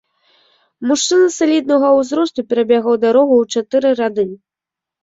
Мужчына саліднага ўзросту перабягаў дарогу ў чатыры рады.